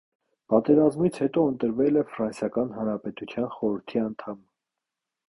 Պատերազմից հետո ընտրվել է ֆրանսիական հանրապետության խորհրդի անդամ։